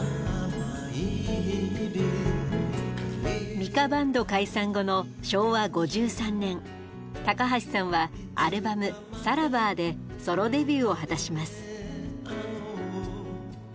ミカ・バンド解散後の昭和５３年高橋さんはアルバム「Ｓａｒａｖａｈ！」でソロデビューを果たします。